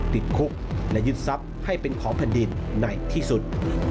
ติดคุกและยึดทรัพย์ให้เป็นของแผ่นดินในที่สุด